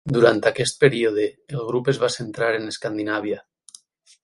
Durant aquest període, el grup es va centrar en Escandinàvia.